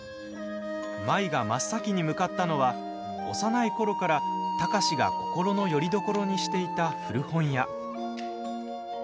舞が真っ先に向かったのは幼い頃から貴司が心のよりどころにしていた古本屋。